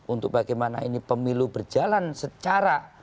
untuk bagaimana ini pemilu berjalan secara